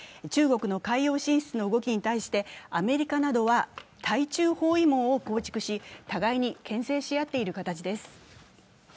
中国の海洋進出の動きに対してアメリカなどは対中包囲網を構築し、互いにけん制し合っている形です。